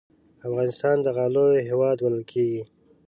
افغانستان د غالیو هېواد بلل کېږي.